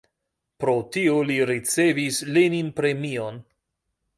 Pro tio li ricevis Lenin-premion.